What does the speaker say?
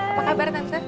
apa kabar tante